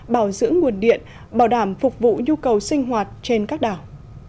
bảo dưỡng nguồn điện bảo đảm phục vụ nhu cầu sinh hoạt trên các đảo